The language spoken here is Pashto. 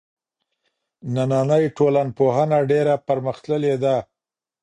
نننۍ ټولنپوهنه ډېره پرمختللې ده.